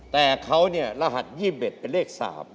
แต่เขาเนี่ยรหัส๒๑เป็นเลข๓